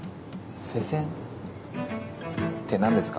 フェセン？って何ですか？